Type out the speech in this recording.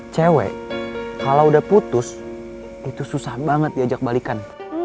cewek kalau udah putus itu susah banget diajak balikan